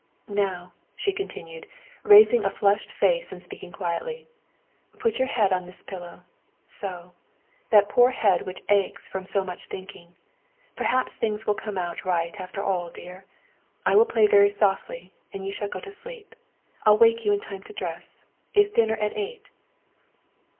" Now," she continued, raising a flushed face and speaking quietly, " put your head on this pillow so. That poor head which aches from so much thinking. Perhaps things will come out right after all, dear. I will play very softly and you shall go to sleep. I'll wake you in time to dress. Is dinner at eight